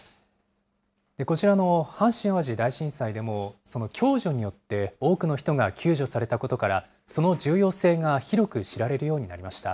こちらの阪神・淡路大震災でもその共助によって多くの人が救助されたことから、その重要性が広く知られるようになりました。